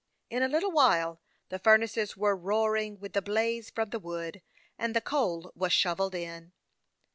In a little while the furnaces were roaring with the blaze from the Avood, and the coal was shovelled in.